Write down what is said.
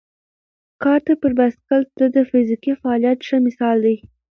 کارته پر بایسکل تلل د فزیکي فعالیت ښه مثال دی.